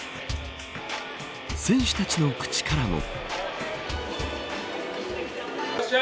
選手たちの口からも。